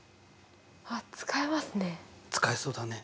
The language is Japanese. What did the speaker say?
あっ使えますね。